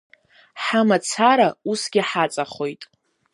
Ҳамацара усгьы ҳаҵахоит.